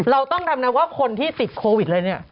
เราต้องทำนะว่าคนที่ติดโควิดอะไรเนี่ย